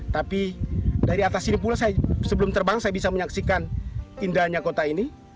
tapi dari atas ini pula saya sebelum terbang saya bisa menyaksikan indahnya kota ini